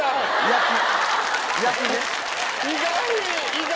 意外！